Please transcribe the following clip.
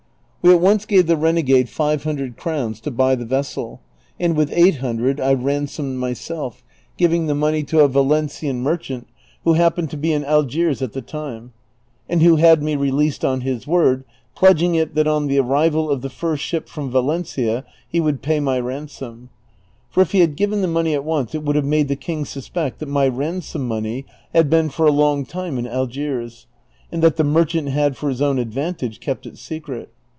We at once gave the renegade five hundred crowns to buy the vessel, and with eight hundred I ransomed myself, giving the money CHAPTER XLL 345 to a Valenciaii merchant who hai:)pene<l to be in Algiers at the time, and who had me released on his word, pledging it that on the arrival of the first ship from Valencia he wonld pay my ransom ; for if he had given the money at once it would have made the king suspect tliat my ransom money had been for a long time in Algiers, and that the merchant had for his own advantage kept it secret.